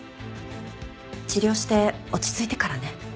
治療して落ち着いてからね。